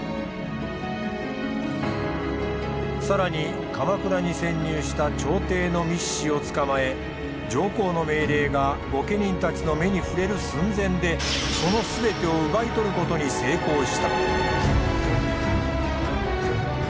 更に鎌倉に潜入した朝廷の密使を捕まえ上皇の命令が御家人たちの目に触れる寸前でその全てを奪い取ることに成功した。